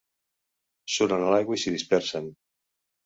Suren a l'aigua i s'hi dispersen.